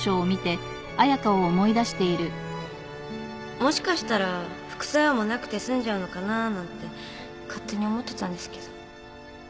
もしかしたら副作用もなくて済んじゃうのかなあなんて勝手に思ってたんですけど。